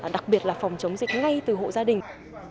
đặc biệt là phòng chống dịch ngay từ hộ gia đình